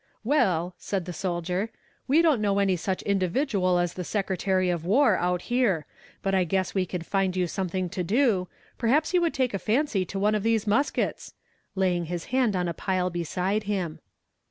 "Well," said the soldier, "we don't know any such individual as the Secretary of War out here, but I guess we can find you something to do; perhaps you would take a fancy to one of these muskets," laying his hand on a pile beside him.